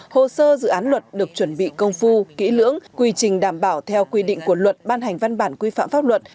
hồ sơ dự án luật được chuẩn bị công phu kỹ lưỡng quy trình đảm bảo theo quy định của luật ban hành văn bản quy phạm pháp luật